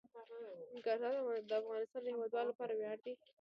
ننګرهار د افغانستان د هیوادوالو لپاره ویاړ دی.